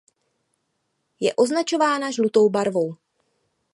Je označována žlutou barvou.